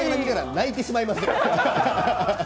泣いてしまいますよ。